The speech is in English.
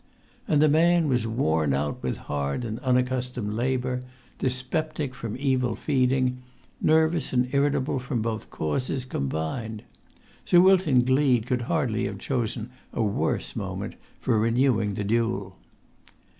And the man was worn out with hard and unaccustomed labour, dyspeptic from evil feeding, nervous and irritable from both causes combined. Sir Wilton Gleed could hardly have chosen a worse moment for renewing the duel.